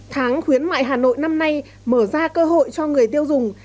tháng khuyến mại hà nội năm nay mở ra cơ hội cho người tiêu dùng